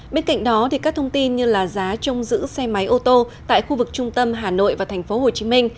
bên cạnh đó các thông tin như giá trông giữ xe máy ô tô tại khu vực trung tâm hà nội và tp hcm